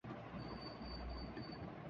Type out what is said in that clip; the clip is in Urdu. دونوں کے ساتھ امید وابستہ ہے